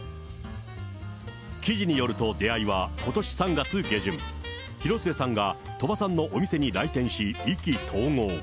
記事によると、出会いはことし３月下旬、広末さんが鳥羽さんのお店に来店し、意気投合。